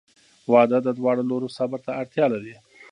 • واده د دواړو لورو صبر ته اړتیا لري.